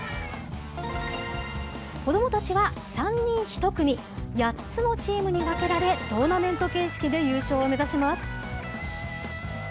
子どもたちは３人１組、８つのチームに分けられ、トーナメント形式で優勝を目指します。